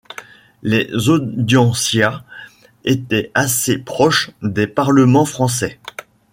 Les Audiencias étaient assez proches des parlements français.